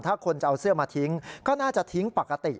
ถ้าคนจะเอาเสื้อมาทิ้งก็น่าจะทิ้งปกติ